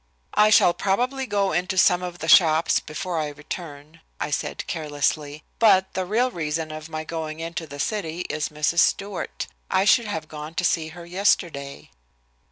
"I shall probably go into some of the shops before I return," I said carelessly, "but the real reason of my going into the city is Mrs. Stewart. I should have gone to see her yesterday."